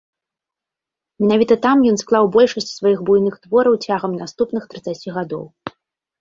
Менавіта там ён склаў большасць сваіх буйных твораў цягам наступных трыццаці гадоў.